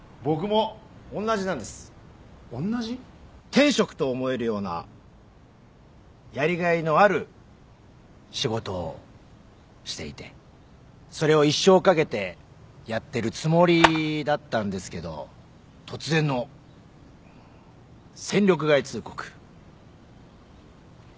天職と思えるようなやりがいのある仕事をしていてそれを一生かけてやってるつもりだったんですけど突然の戦力外通告。